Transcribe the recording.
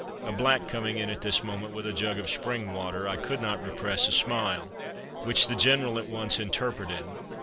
"A black coming in at this moment with a jug of spring water, I could not repress a smile, which the General at once interpreted.